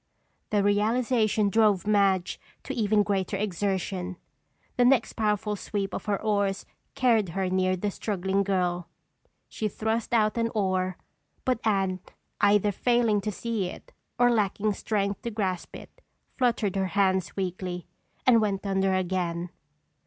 The realization drove Madge to even greater exertion. The next powerful sweep of her oars carried her near the struggling girl. She thrust out an oar, but Anne either failing to see it or lacking strength to grasp it, fluttered her hands weakly and went under again.